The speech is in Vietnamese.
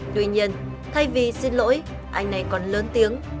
tuy nhiên thay vì xin lỗi anh này còn lớn tiếng